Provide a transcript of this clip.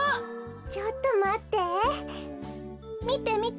ちょっとまって。